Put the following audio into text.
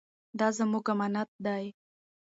دا زموږ امانت دی.